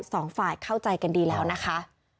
สองฝ่ายเข้าใจกันดีแล้วนะคะ